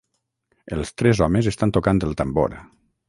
Els tres homes estan tocant el tambor.